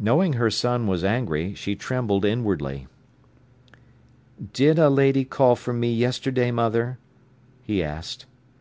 Knowing her son was angry, she trembled inwardly. "Did a lady call for me yesterday, mother?" he asked.